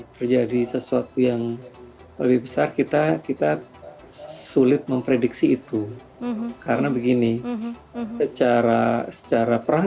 terjadi sesuatu yang lebih besar kita kita sulit memprediksi itu karena begini secara secara perang